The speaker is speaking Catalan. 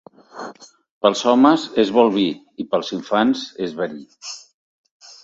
Pels homes és bo el vi i pels infants és verí.